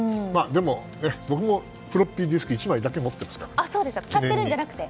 でも、僕もフロッピーディスク１枚だけ使っているんじゃなくて。